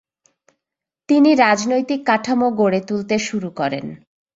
তিনি রাজনৈতিক কাঠামো গড়ে তুলতে শুরু করেন।